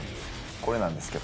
これなんですけど。